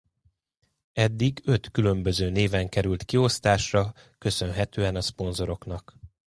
Eddig öt különböző néven került kiosztásra köszönhetően a szponzoroknak.